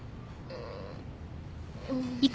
うん。